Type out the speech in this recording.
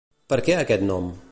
Per què aquest nom?